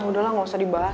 udah lah gak usah dibahas